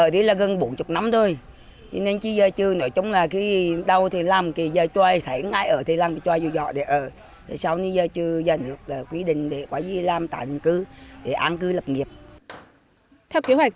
theo kế hoạch trong đợt đầu tiên sẽ có năm trăm bảy mươi năm hộ di rời ra khỏi khu vực di tích